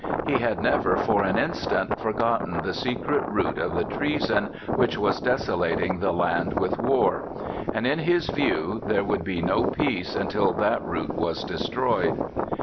He had never for an instant forgotten the secret root of the treason which was desolating the land with war; and in his view there would be no peace until that root was destroyed.